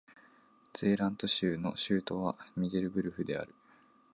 ゼーラント州の州都はミデルブルフである